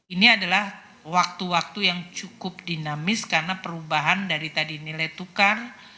ini adalah waktu waktu yang cukup dinamis karena perubahan dari tadi nilai tukar